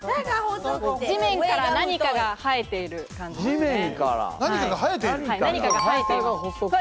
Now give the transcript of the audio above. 地面から何かが生えている感じですね。